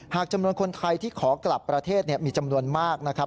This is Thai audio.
จำนวนคนไทยที่ขอกลับประเทศมีจำนวนมากนะครับ